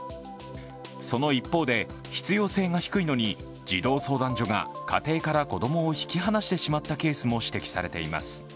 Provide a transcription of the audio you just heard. その一方で、必要性が低いのに児童相談所が家庭から子供を引き離してしまったケースも指摘されています。